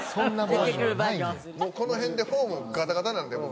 もうこの辺でフォームガタガタなんで僕ら。